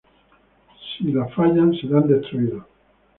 Si la fallan, serán destruidos.